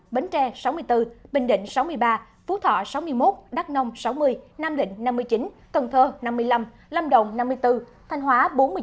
bến tre sáu mươi bốn bình định sáu mươi ba phú thọ sáu mươi một đắk nông sáu mươi nam định năm mươi chín cần thơ năm mươi năm lâm đồng năm mươi bốn thanh hóa bốn mươi chín